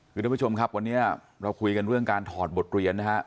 คือท่านผู้ชมครับวันนี้เราคุยกันเรื่องการถอดบทเรียนนะฮะ